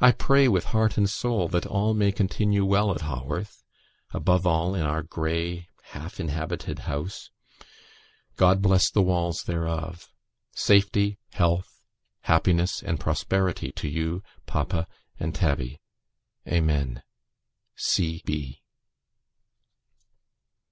I pray, with heart and soul, that all may continue well at Haworth; above all in our grey half inhabited house. God bless the walls thereof! Safety, health, happiness, and prosperity to you, papa, and Tabby. Amen.